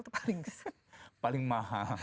itu paling sehat